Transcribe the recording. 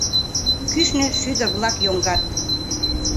Кӱшнӧ шӱдыр-влак йолгат